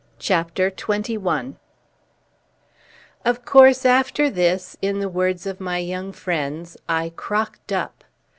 CHAPTER XXI Of course, after this (in the words of my young friends) I crocked up.